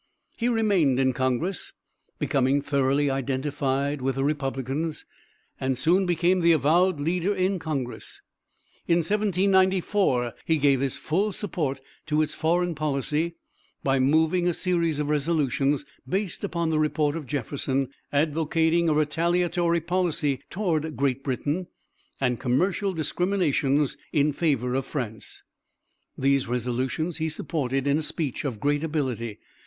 He remained in congress, becoming thoroughly identified with the Republicans, and soon became the avowed leader in congress. In 1794 he gave his full support to its foreign policy by moving a series of resolutions, based upon the report of Jefferson, advocating a retaliatory policy toward Great Britain, and commercial discriminations in favor of France. These resolutions he supported in a speech of great ability.